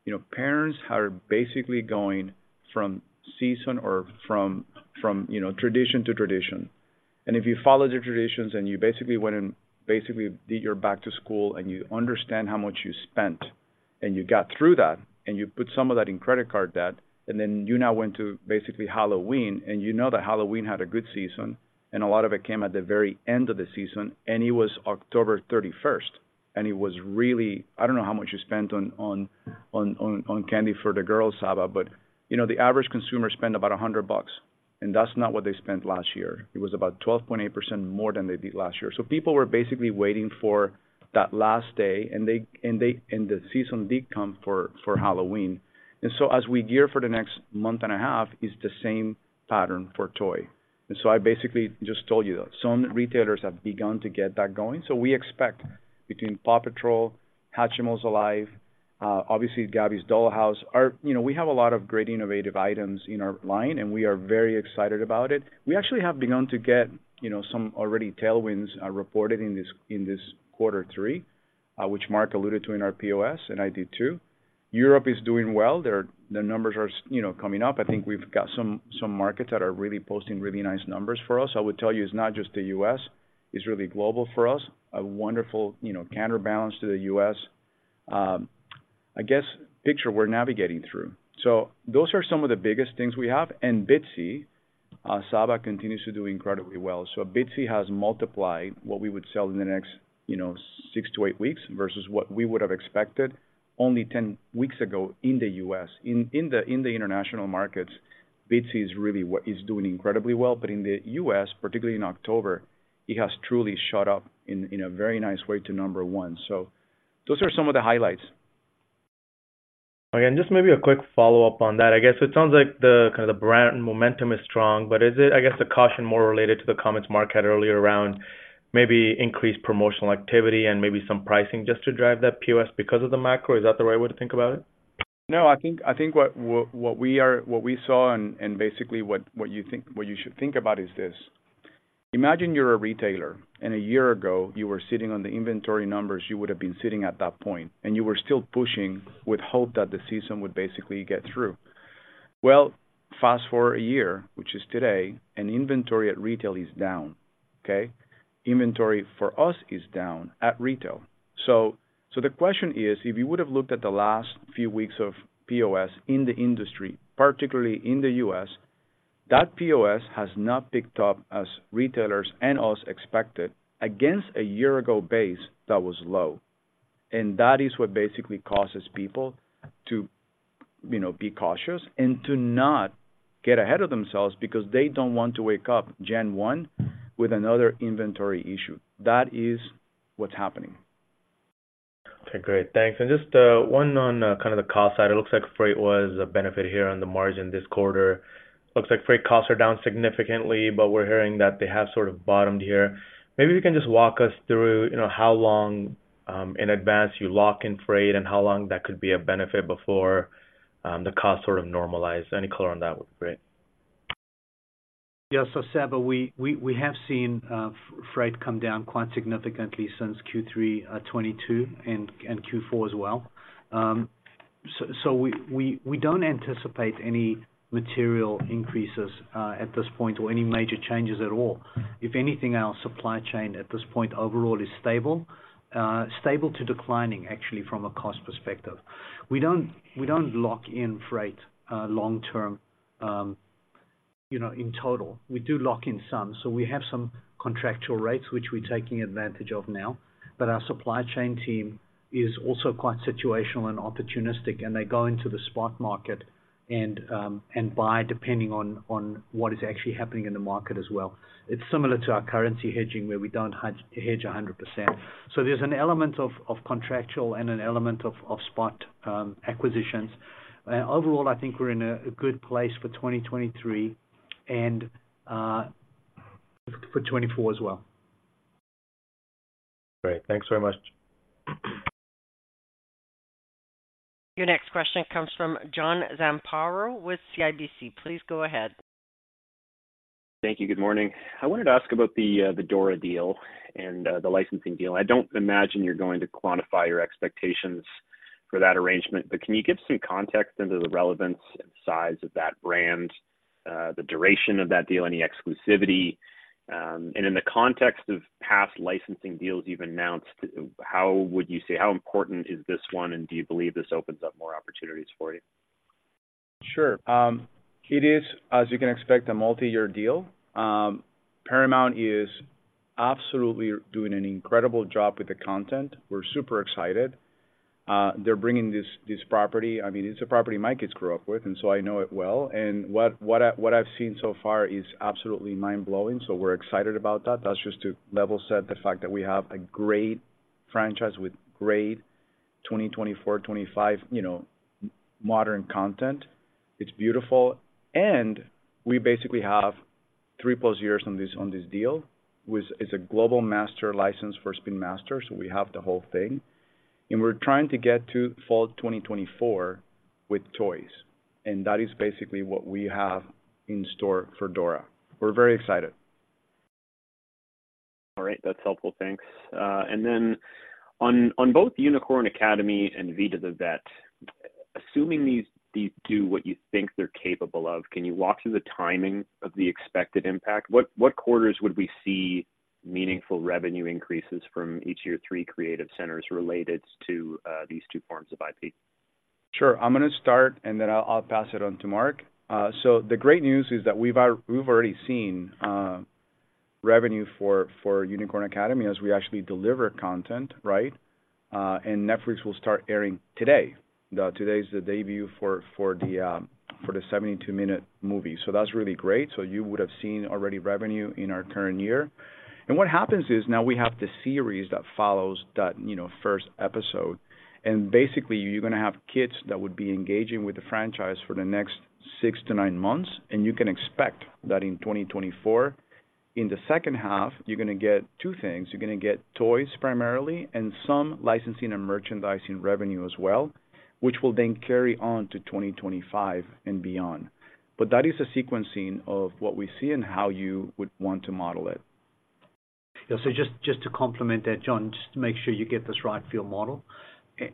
you know, parents are basically going from season or from, from, you know, tradition to tradition. If you follow the traditions and you basically went and basically did your back to school, and you understand how much you spent, and you got through that, and you put some of that in credit card debt, and then you now went to basically Halloween, and you know that Halloween had a good season, and a lot of it came at the very end of the season, and it was October 31st. And it was really... I don't know how much you spent on candy for the girls, Saba, but, you know, the average consumer spent about $100, and that's not what they spent last year. It was about 12.8% more than they did last year. So people were basically waiting for that last day, and they, and the season did come for Halloween. And so as we gear for the next month and a half, it's the same pattern for toy. And so I basically just told you that some retailers have begun to get that going. So we expect between PAW Patrol, Hatchimals Alive, obviously, Gabby's Dollhouse. Our, you know, we have a lot of great innovative items in our line, and we are very excited about it. We actually have begun to get, you know, some already tailwinds reported in this, in this quarter three, which Mark alluded to in our POS, and I did too. Europe is doing well. There, the numbers are, you know, coming up. I think we've got some markets that are really posting really nice numbers for us. I would tell you, it's not just the U.S., it's really global for us, a wonderful, you know, counterbalance to the U.S. I guess, picture we're navigating through. Those are some of the biggest things we have. And Bitzee, Saba, continues to do incredibly well. Bitzee has multiplied what we would sell in the next six to eight weeks versus what we would have expected only 10 weeks ago in the U.S. In the international markets, Bitzee is really what is doing incredibly well. In the U.S., particularly in October, it has truly shot up in a very nice way to number one. Those are some of the highlights. Okay, and just maybe a quick follow-up on that. I guess it sounds like the, kind of, the brand momentum is strong, but is it, I guess, the caution more related to the comments Mark had earlier around maybe increased promotional activity and maybe some pricing just to drive that POS because of the macro? Is that the right way to think about it? No, I think what we saw and basically what you should think about is this: Imagine you're a retailer, and a year ago you were sitting on the inventory numbers you would have been sitting at that point, and you were still pushing with hope that the season would basically get through. Well, fast-forward a year, which is today, and inventory at retail is down, okay? Inventory for us is down at retail. So the question is, if you would have looked at the last few weeks of POS in the industry, particularly in the U.S., that POS has not picked up as retailers and us expected against a year ago base that was low. That is what basically causes people to, you know, be cautious and to not get ahead of themselves because they don't want to wake up January 1 with another inventory issue. That is what's happening. Okay, great. Thanks. Just one on kind of the cost side. It looks like freight was a benefit here on the margin this quarter. Looks like freight costs are down significantly, but we're hearing that they have sort of bottomed here. Maybe you can just walk us through, you know, how long in advance you lock in freight and how long that could be a benefit before the cost sort of normalized. Any color on that would be great. Yeah. So, Saba, we have seen freight come down quite significantly since Q3 2022 and Q4 as well. So we don't anticipate any material increases at this point, or any major changes at all. If anything, our supply chain at this point overall is stable. Stable to declining, actually, from a cost perspective. We don't lock in freight long term, you know, in total. We do lock in some, so we have some contractual rates, which we're taking advantage of now. But our supply chain team is also quite situational and opportunistic, and they go into the spot market and buy, depending on what is actually happening in the market as well. It's similar to our currency hedging, where we don't hedge 100%. So there's an element of contractual and an element of spot acquisitions. Overall, I think we're in a good place for 2023 and for 2024 as well. Great. Thanks very much. Your next question comes from John Zamparo with CIBC. Please go ahead. Thank you. Good morning. I wanted to ask about the Dora deal and the licensing deal. I don't imagine you're going to quantify your expectations for that arrangement, but can you give some context into the relevance and size of that brand, the duration of that deal, any exclusivity? And in the context of past licensing deals you've announced, how would you say how important is this one, and do you believe this opens up more opportunities for you? Sure. It is, as you can expect, a multi-year deal. Paramount is absolutely doing an incredible job with the content. We're super excited. They're bringing this, this property... I mean, it's a property my kids grew up with, and so I know it well. And what I've seen so far is absolutely mind-blowing, so we're excited about that. That's just to level set the fact that we have a great franchise with great 2024, 2025, you know, modern content. It's beautiful, and we basically have 3+ years on this, on this deal, which is a global master license for Spin Master, so we have the whole thing. And we're trying to get to fall 2024 with toys, and that is basically what we have in store for Dora. We're very excited. All right, that's helpful. Thanks. And then on both Unicorn Academy and Vida the Vet, assuming these do what you think they're capable of, can you walk through the timing of the expected impact? What quarters would we see meaningful revenue increases from each of your three creative centers related to these two forms of IP? Sure. I'm gonna start, and then I'll, I'll pass it on to Mark. So the great news is that we've already seen revenue for Unicorn Academy as we actually deliver content, right? And Netflix will start airing today. Today is the debut for the 72-minute movie. So that's really great. So you would have seen already revenue in our current year. And what happens is, now we have the series that follows that, you know, first episode, and basically, you're gonna have kids that would be engaging with the franchise for the next 6-9 months, and you can expect that in 2024-... in the second half, you're gonna get two things. You're gonna get toys primarily, and some licensing and merchandising revenue as well, which will then carry on to 2025 and beyond. But that is a sequencing of what we see and how you would want to model it. Yeah. So just, just to complement that, John, just to make sure you get this right for your model.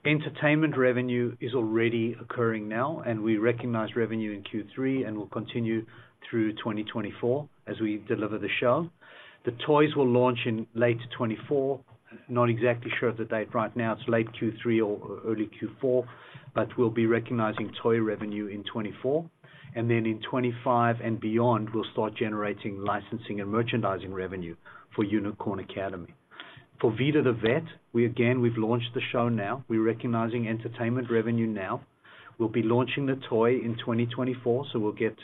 Entertainment revenue is already occurring now, and we recognize revenue in Q3 and will continue through 2024 as we deliver the show. The toys will launch in late 2024. Not exactly sure of the date right now, it's late Q3 or early Q4, but we'll be recognizing toy revenue in 2024, and then in 2025 and beyond, we'll start generating licensing and merchandising revenue for Unicorn Academy. For Vida the Vet, we again, we've launched the show now. We're recognizing Entertainment revenue now. We'll be launching the toy in 2024, so we'll get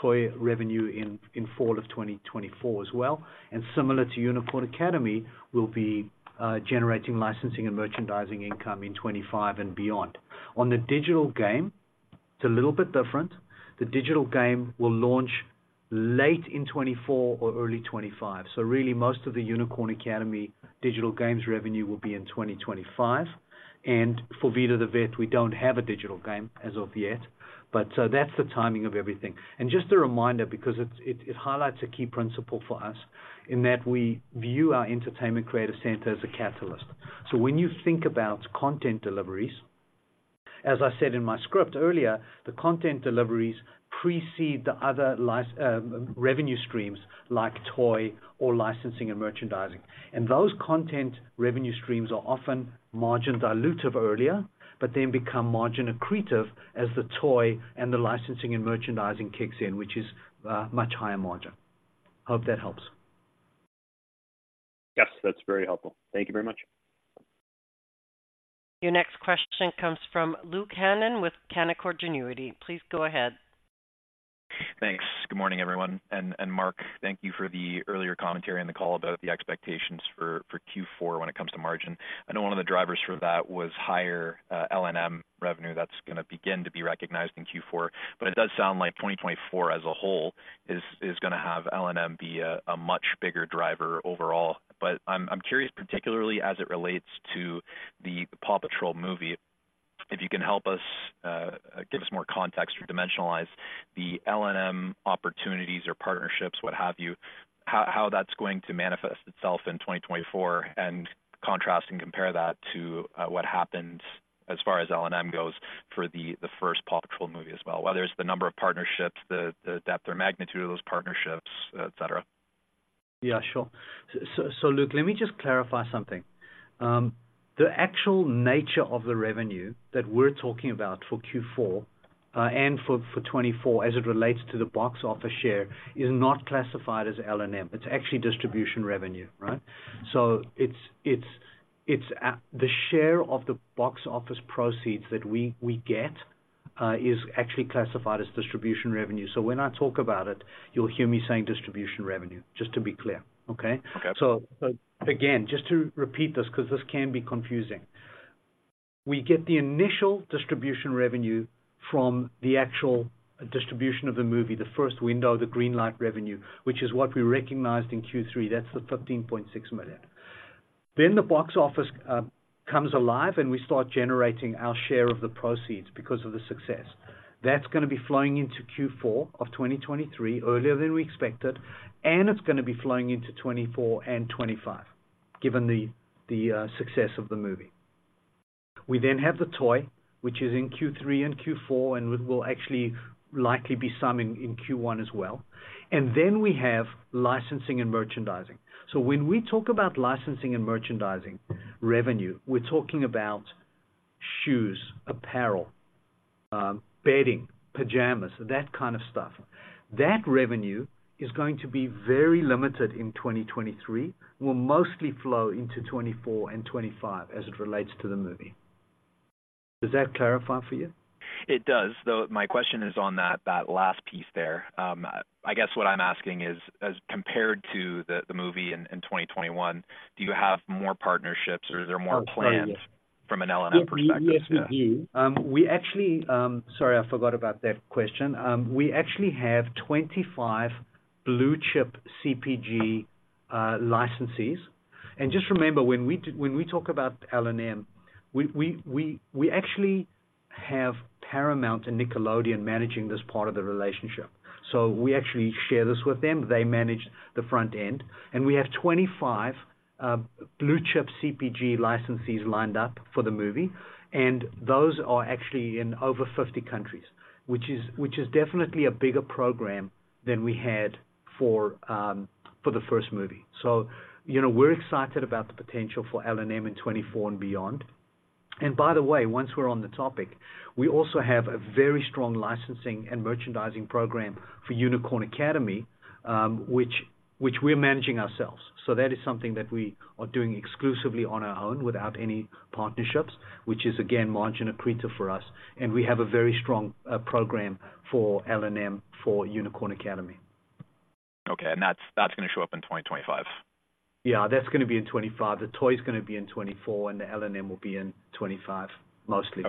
toy revenue in fall of 2024 as well. And similar to Unicorn Academy, we'll be generating licensing and merchandising income in 2025 and beyond. On the digital game, it's a little bit different. The digital game will launch late in 2024 or early 2025. So really, most of the Unicorn Academy Digital Games revenue will be in 2025. And for Vida the Vet, we don't have a digital game as of yet, but so that's the timing of everything. And just a reminder, because it highlights a key principle for us, in that we view our Entertainment creative center as a catalyst. So when you think about content deliveries, as I said in my script earlier, the content deliveries precede the other licensing revenue streams, like toy or licensing and merchandising. And those content revenue streams are often margin dilutive earlier, but then become margin accretive as the toy and the licensing and merchandising kicks in, which is much higher margin. Hope that helps. Yes, that's very helpful. Thank you very much. Your next question comes from Luke Hannan with Canaccord Genuity. Please go ahead. Thanks. Good morning, everyone. And Mark, thank you for the earlier commentary on the call about the expectations for Q4 when it comes to margin. I know one of the drivers for that was higher L&M revenue that's gonna begin to be recognized in Q4, but it does sound like 2024 as a whole is gonna have L&M be a much bigger driver overall. But I'm curious, particularly as it relates to the PAW Patrol movie, if you can help us give us more context or dimensionalize the L&M opportunities or partnerships, what have you, how that's going to manifest itself in 2024, and contrast and compare that to what happened as far as L&M goes for the first PAW Patrol movie as well. Whether it's the number of partnerships, the depth or magnitude of those partnerships, et cetera. Yeah, sure. So, Luke, let me just clarify something. The actual nature of the revenue that we're talking about for Q4 and for 2024, as it relates to the box office share, is not classified as L&M. It's actually distribution revenue, right? So it's the share of the box office proceeds that we get is actually classified as distribution revenue. So when I talk about it, you'll hear me saying distribution revenue, just to be clear, okay? Okay. So, so again, just to repeat this, because this can be confusing. We get the initial distribution revenue from the actual distribution of the movie, the first window, the green light revenue, which is what we recognized in Q3. That's the $15.6 million. Then the box office comes alive, and we start generating our share of the proceeds because of the success. That's gonna be flowing into Q4 of 2023, earlier than we expected, and it's gonna be flowing into 2024 and 2025, given the success of the movie. We then have the toy, which is in Q3 and Q4, and will actually likely be some in Q1 as well. And then we have licensing and merchandising. So when we talk about licensing and merchandising revenue, we're talking about shoes, apparel, bedding, pajamas, that kind of stuff. That revenue is going to be very limited in 2023, will mostly flow into 2024 and 2025, as it relates to the movie. Does that clarify for you? It does. Though my question is on that last piece there. I guess what I'm asking is, as compared to the movie in 2021, do you have more partnerships or is there more plans? Oh, sorry, yes. from an L&M perspective? Yes, we do. Yeah. Sorry, I forgot about that question. We actually have 25 blue chip CPG licensees. And just remember, when we talk about L&M, we actually have Paramount and Nickelodeon managing this part of the relationship. So we actually share this with them. They manage the front end, and we have 25 blue chip CPG licensees lined up for the movie, and those are actually in over 50 countries, which is definitely a bigger program than we had for the first movie. So, you know, we're excited about the potential for L&M in 2024 and beyond. And by the way, once we're on the topic, we also have a very strong licensing and merchandising program for Unicorn Academy, which we're managing ourselves. So that is something that we are doing exclusively on our own without any partnerships, which is, again, margin accretive for us, and we have a very strong program for L&M, for Unicorn Academy. Okay. That's, that's gonna show up in 2025?... Yeah, that's going to be in 2025. The toy's going to be in 2024, and the L&M will be in 2025, mostly.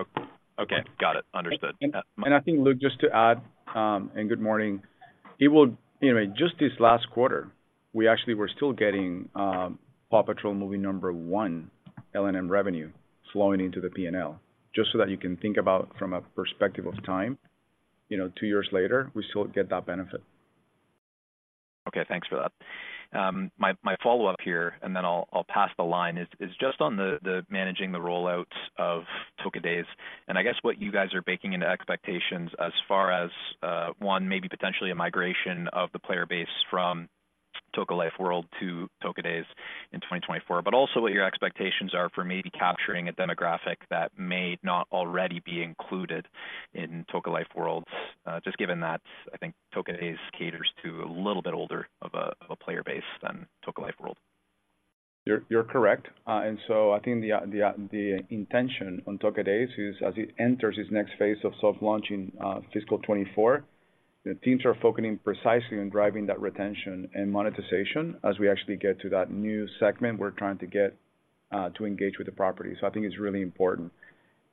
Okay, got it. Understood. And I think, Luke, just to add, and good morning. Anyway, just this last quarter, we actually were still getting PAW Patrol movie number one, L&M revenue flowing into the P&L. Just so that you can think about from a perspective of time, you know, two years later, we still get that benefit. Okay, thanks for that. My follow-up here, and then I'll pass the line, is just on the managing the rollouts of Toca Days, and I guess what you guys are baking into expectations as far as one, maybe potentially a migration of the player base from Toca Life World to Toca Days in 2024. But also what your expectations are for maybe capturing a demographic that may not already be included in Toca Life Worlds, just given that, I think Toca Days caters to a little bit older of a player base than Toca Life World. You're correct. And so I think the intention on Toca Days is as it enters this next phase of soft launch in fiscal 2024, the teams are focusing precisely on driving that retention and monetization as we actually get to that new segment, we're trying to get to engage with the property. So I think it's really important.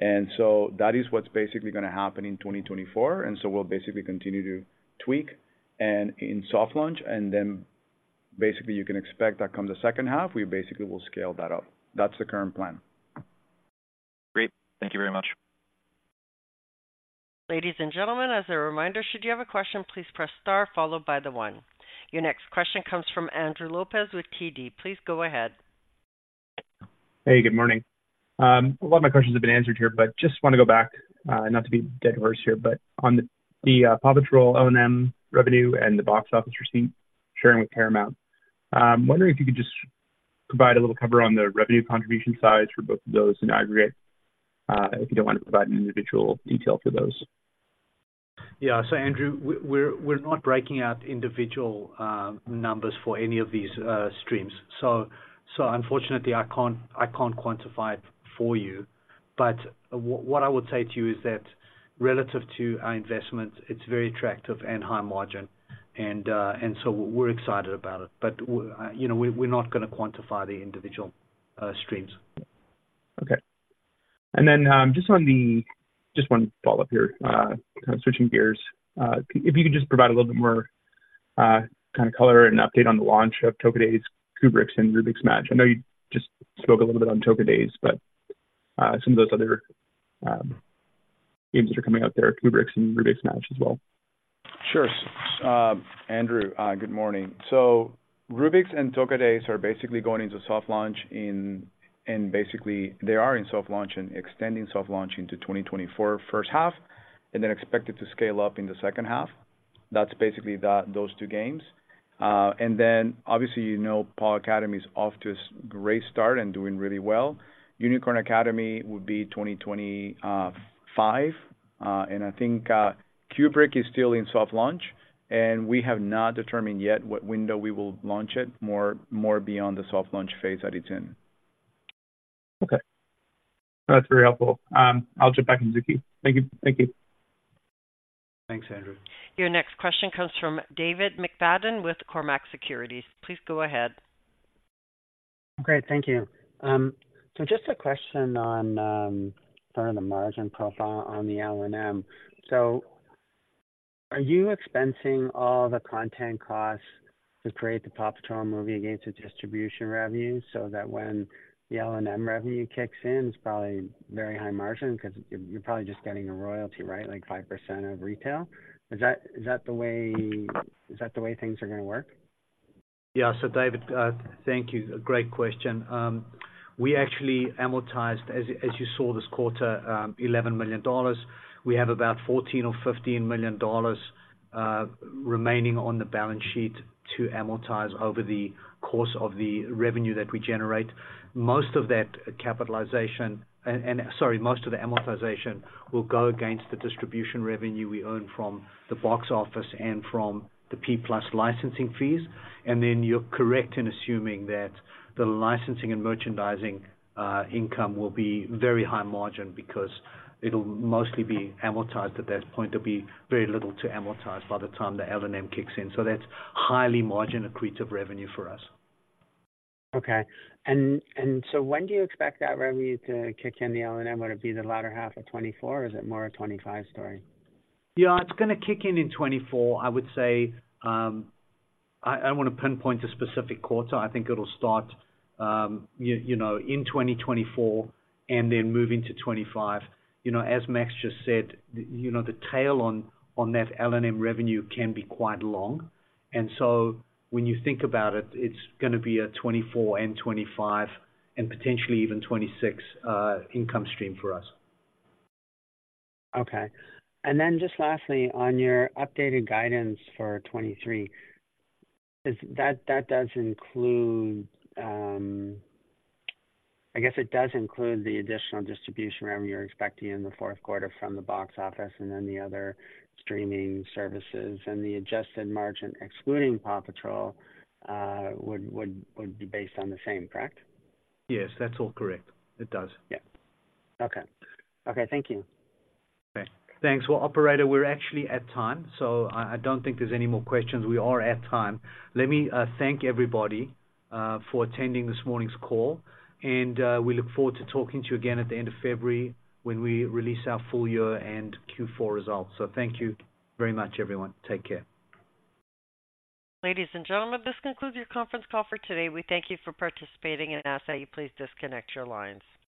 And so that is what's basically going to happen in 2024, and so we'll basically continue to tweak and in soft launch, and then basically you can expect that come the second half, we basically will scale that up. That's the current plan. Great. Thank you very much. Ladies and gentlemen, as a reminder, should you have a question, please press star followed by the one. Your next question comes from Andrew Lopez with TD. Please go ahead. Hey, good morning. A lot of my questions have been answered here, but just want to go back, not to be diverse here, but on the PAW Patrol L&M revenue and the box office receipt sharing with Paramount. Wondering if you could just provide a little cover on the revenue contribution sides for both of those in aggregate, if you don't want to provide an individual detail for those. Yeah. So Andrew, we're not breaking out individual numbers for any of these streams. So unfortunately, I can't quantify it for you. But what I would say to you is that relative to our investment, it's very attractive and high margin, and so we're excited about it, but you know, we're not going to quantify the individual streams. Okay. And then, just one follow-up here, switching gears. If you could just provide a little bit more, kind of color and update on the launch of Toca Days, Rubik's, and Rubik's Match. I know you just spoke a little bit on Toca Days, but, some of those other, games that are coming out there, Rubik's and Rubik's Match as well. Sure. Andrew, good morning. So Rubik's and Toca Days are basically going into soft launch and basically, they are in soft launch and extending soft launch into 2024 first half, and then expected to scale up in the second half. That's basically that, those two games. And then obviously, you know, PAW Academy is off to a great start and doing really well. Unicorn Academy would be 2025, and I think, Rubik's is still in soft launch, and we have not determined yet what window we will launch it, more beyond the soft launch phase that it's in. Okay. That's very helpful. I'll jump back in the queue. Thank you. Thank you. Thanks, Andrew. Your next question comes from David McFadgen with Cormark Securities. Please go ahead. Great, thank you. So just a question on, sort of the margin profile on the L&M. So are you expensing all the content costs to create the PAW Patrol movie against the distribution revenue so that when the L&M revenue kicks in, it's probably very high margin because you're probably just getting a royalty, right? Like 5% of retail. Is that the way things are going to work? Yeah. So, David, thank you. Great question. We actually amortized, as you saw this quarter, $11 million. We have about $14 million or $15 million remaining on the balance sheet to amortize over the course of the revenue that we generate. Most of that capitalization... sorry, most of the amortization will go against the distribution revenue we earn from the box office and from the P+ licensing fees. And then you're correct in assuming that the licensing and merchandising income will be very high margin because it'll mostly be amortized at that point. There'll be very little to amortize by the time the L&M kicks in. So that's highly margin accretive revenue for us. Okay. And so when do you expect that revenue to kick in the L&M? Would it be the latter half of 2024, or is it more a 2025 story? Yeah, it's going to kick in in 2024. I would say, I want to pinpoint a specific quarter. I think it'll start, you know, in 2024 and then move into 2025. You know, as Max just said, you know, the tail on that L&M revenue can be quite long. And so when you think about it, it's going to be a 2024 and 2025 and potentially even 2026 income stream for us. Okay. And then just lastly, on your updated guidance for 2023, is that, that does include, I guess it does include the additional distribution revenue you're expecting in the fourth quarter from the box office and then the other streaming services, and the adjusted margin, excluding PAW Patrol, would be based on the same, correct? Yes, that's all correct. It does. Yeah. Okay. Okay, thank you. Okay. Thanks. Well, operator, we're actually at time, so I don't think there's any more questions. We are at time. Let me thank everybody for attending this morning's call, and we look forward to talking to you again at the end of February when we release our full year and Q4 results. So thank you very much, everyone. Take care. Ladies and gentlemen, this concludes your conference call for today. We thank you for participating and ask that you please disconnect your lines.